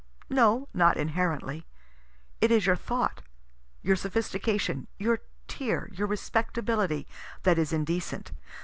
No, not inherently. It is your thought, your sophistication, your tear, your respectability, that is indecent.